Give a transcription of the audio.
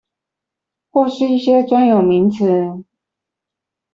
或是一些專有名詞